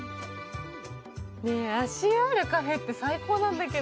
ねえ、足湯あるカフェって最高なんだけど。